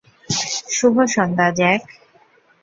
শুভ সন্ধ্যা, জ্যাক।